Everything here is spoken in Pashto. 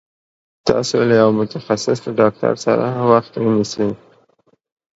تاسو له يوه متخصص ډاکټر سره وخت ونيسي